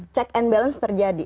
check and balance terjadi